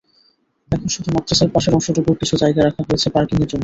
এখন শুধু মাদ্রাসার পাশের অংশটুকুর কিছু জায়গা রাখা হয়েছে পার্কিংয়ের জন্য।